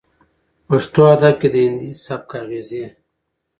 پښتو ادب کې د هندي سبک اغېزې